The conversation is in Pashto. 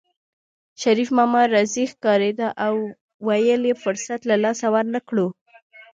شريف ماما راضي ښکارېده او ویل یې فرصت له لاسه ورنکړو